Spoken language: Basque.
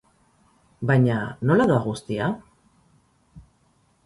Baina, nola doa guztia?